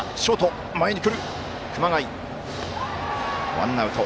ワンアウト。